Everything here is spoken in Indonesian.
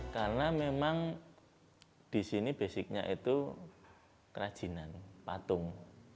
karena memang disini basicnya itu kerajinan patung